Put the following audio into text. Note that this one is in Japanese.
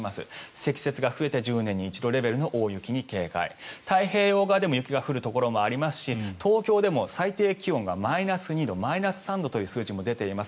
積雪が増えて１０年に一度レベルの大雪に警戒太平洋側でも雪が降るところもありますし東京でも最低気温がマイナス２度マイナス３度という数字も出ています。